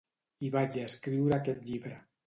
I vaig escriure aquest llibre.